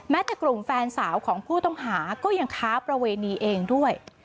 จากกลุ่มแฟนสาวของผู้ต้องหาก็ยังค้าประเวณีเองด้วย